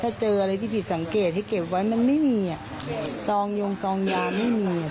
ถ้าเจออะไรที่ผิดสังเกตให้เก็บไว้มันไม่มีอ่ะซองยงซองยาไม่มี